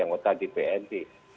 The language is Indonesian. ngota di pnd